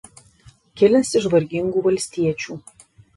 Kilęs iš vargingų valstiečių.